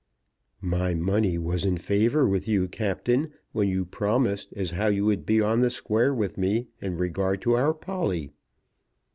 "My money was in favour with you, Captain, when you promised as how you would be on the square with me in regard to our Polly."